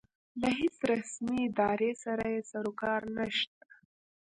له هېڅ رسمې ادارې سره یې سروکار نشته.